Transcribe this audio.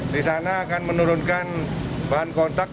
di sana akan menurunkan bahan kontak